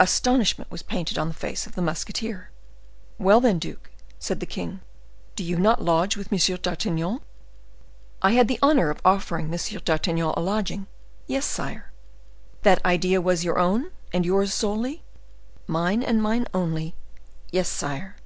Astonishment was painted on the face of the musketeer. "Well, then, duke," said the king, "do you not lodge with M. d'Artagnan?" "I had the honor of offering M. d'Artagnan a lodging; yes, sire." "That idea is your own, and yours solely?" "Mine and mine only; yes, sire."